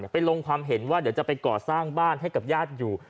ลงความเห็นว่าเดี๋ยวจะไปก่อสร้างบ้านให้กับญาติอยู่